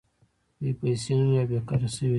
دوی پیسې نلري او بېکاره شوي دي